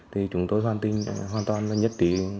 thì chúng tôi hoàn toàn nhất trị